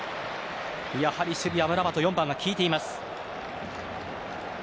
やはり守備、アムラバト４番が効いています。